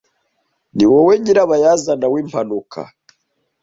Ni wowe nyirabayazana w'impanuka.